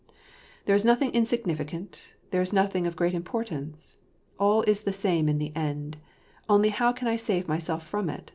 " There is nothing insignificant, there is nothing of great importance ; all is the same in the end ; only how can I save myself from it